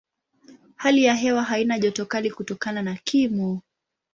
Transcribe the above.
Hali ya hewa haina joto kali kutokana na kimo.